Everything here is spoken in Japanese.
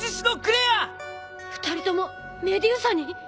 ２人ともメデューサに？